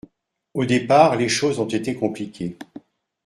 Au départ, les choses ont été compliquées.